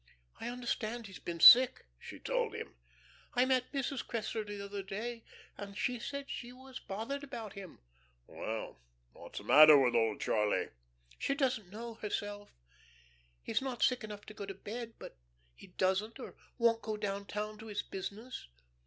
"I understand he's been sick," she told him. "I met Mrs. Cressler the other day, and she said she was bothered about him." "Well, what's the matter with old Charlie?" "She doesn't know, herself. He's not sick enough to go to bed, but he doesn't or won't go down town to his business.